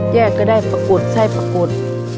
แยกก็ได้ประกุศใช้ประกุศ